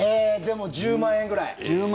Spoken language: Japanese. １０万円ぐらい。